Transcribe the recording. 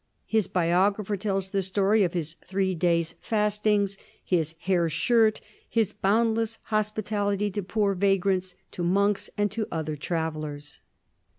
His biog rapher tells the story of his three days' fastings, his hair shirt, his boundless hospitality to poor vagrants, to monks, and to other travellers.